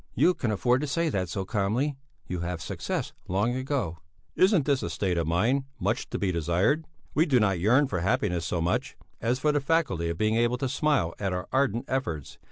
"You can afford to say that so calmly; you have had success long ago." "Isn't this a state of mind much to be desired? We do not yearn for happiness so much, as for the faculty of being able to smile at our ardent efforts.